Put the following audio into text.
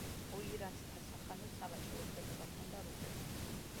ოირათთა სახანოს სავაჭრო ურთიერთობა ჰქონდა რუსეთთან.